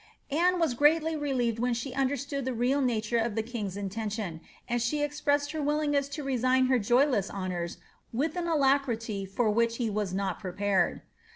* Anne was greatly relieved when she understood the real nature of the king^s intention, and she expressed her willingness to resign her joyless honours with an alacrity for which he was not prepared.